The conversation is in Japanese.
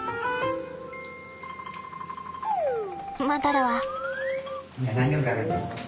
まただわ。